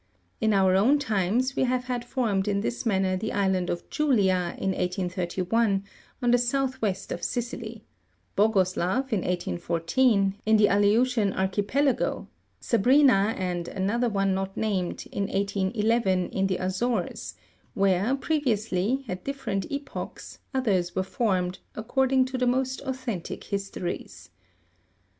In our own times, we have had formed in this manner the island of Julia, in 1831, on the south west of Sicily ; Bogoslaw, in 1814, in the Aleutian Archipelago ; Sabrina, and another one not named, in 1811, in the Azores, where, previously, at different epochs, others were formed, according to the most authentic histories.